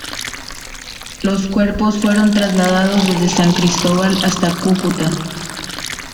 Los cuerpos fueron trasladados desde San Cristóbal hasta Cúcuta.